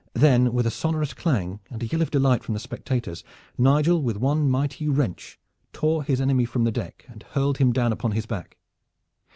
Then, with a sonorous clang, and a yell of delight from the spectators, Nigel with one mighty wrench tore his enemy from the deck and hurled him down upon his back.